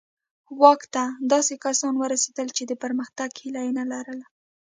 واک ته داسې کسان ورسېدل چې د پرمختګ هیله یې نه لرله.